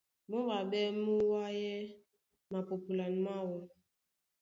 Mú maɓɛ́ mú wayɛ́ mapupulan máō.